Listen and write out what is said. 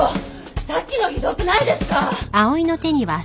さっきのひどくないですか！？